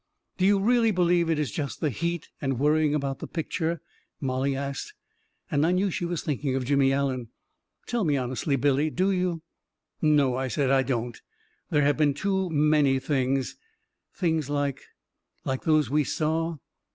" Do you really believe it is just the heat and worrying about the picture ?" Mollie asked, and I knew she was thinking of Jimmy Allen. " Tell me honestly, Billy. Do you ?"" No," I said, " I don't. There have been too many things ..."" Things like — like those we saw?